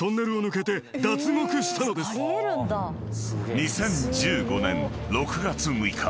［２０１５年６月６日］